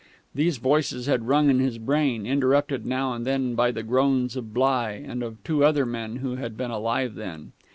These voices had rung in his brain, interrupted now and then by the groans of Bligh and of two other men who had been alive then.